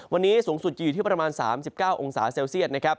วันนี้สูงสุดจะอยู่ที่ประมาณ๓๙องศาเซลเซียตนะครับ